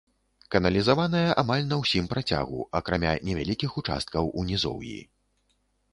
Каналізаваная амаль на ўсім працягу, акрамя невялікіх участкаў у нізоўі.